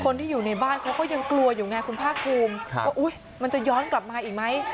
คนที่อยู่ในบ้านเขาก็ยังกลัวอยู่ไงคุณภาคภูมิว่ามันจะย้อนกลับมาอีกไหม